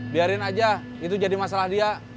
biarin aja itu jadi masalah dia